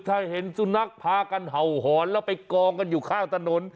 ถ้าเห็นสุนัขพากันเห่าหอนแล้วไปกองกันอยู่ข้างถนน